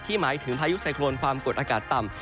หมายถึงพายุไซโครนความกดอากาศต่ำ